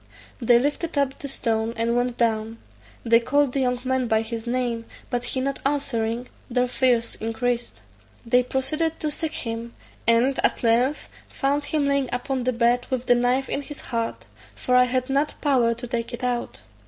They lifted up the stone, and went down; they called the young man by his name, but he not answering, their fears increased. They proceeded to seek him; and at length found him lying upon the bed with the knife in his heart, for I had not power to take it out.